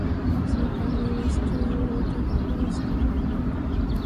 আচ্ছা, তাহলে মিঃ হুইটেকারের অবস্থাটা কী?